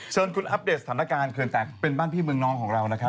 เชิญคุณอัปเดตสถานการณ์เคยเนี่ยเป็นบ้านพี่มึงนอวของเรานะครับ